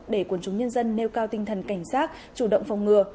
để quân chúng nhân dân nêu cao tinh thần cảnh giác chủ động phòng ngừa